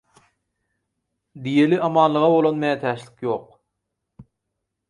Diýeli amanlyga bolan mätäçlik ýok.